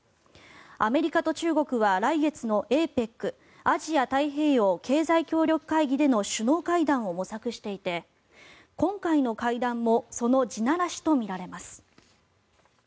アメリカと中国は来月のＡＰＥＣ・アジア太平洋経済協力会議での首脳会談を模索していて今回の会談もその地ならしとみられます。